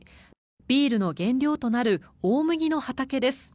ビールの原料となる大麦の畑です。